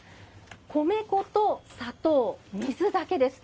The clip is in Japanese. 米粉と砂糖、水だけです。